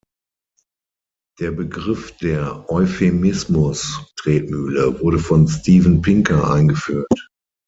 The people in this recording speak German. Der Begriff der „Euphemismus-Tretmühle“ wurde von Steven Pinker eingeführt.